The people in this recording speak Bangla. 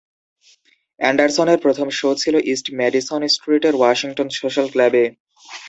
এন্ডারসনের প্রথম শো ছিল ইস্ট ম্যাডিসন স্ট্রিটের ওয়াশিংটন সোশ্যাল ক্লাবে।